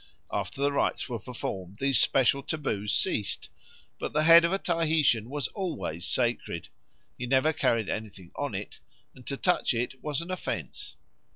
After the rites were performed these special taboos ceased; but the head of a Tahitian was always sacred, he never carried anything on it, and to touch it was an offence.